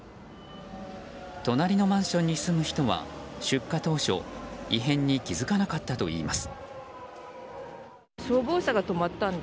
隣のマンションに住む人は出火当初異変に気付かなかったといいます。